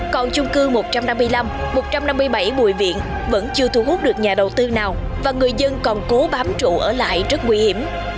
còn chung cư một trăm năm mươi năm một trăm năm mươi bảy bùi viện vẫn chưa thu hút được nhà đầu tư nào và người dân còn cố bám trụ ở lại rất nguy hiểm